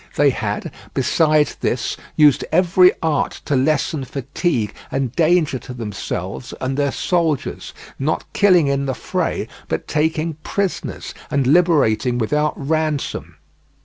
They had, besides this, used every art to lessen fatigue and danger to themselves and their soldiers, not killing in the fray, but taking prisoners and liberating without ransom.